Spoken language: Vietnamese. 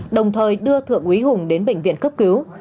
đồng thời đưa thượng quý hùng đến bệnh viện cấp cứu